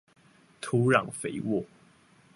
土壤肥沃